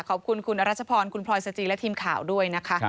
ขอบคุณคุณอรัชพรคุณพลอยสจีและทีมข่าวด้วยนะคะ